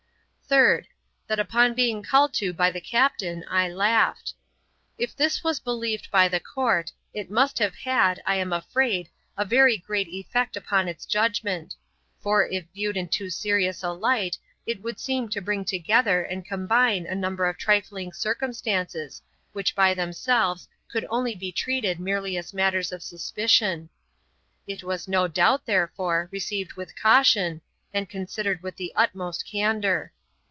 'Third. That, upon being called to by the captain, I laughed. If this was believed by the Court, it must have had, I am afraid, a very great effect upon its judgement; for, if viewed in too serious a light, it would seem to bring together and combine a number of trifling circumstances, which by themselves could only be treated merely as matters of suspicion. It was no doubt, therefore, received with caution, and considered with the utmost candour.